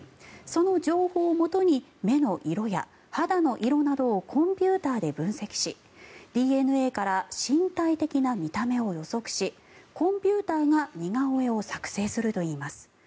その情報をもとに目の色や肌の色などをコンピューターで分析しＤＮＡから身体的な見た目を予測しコンピューターが似顔絵を作成するといいます。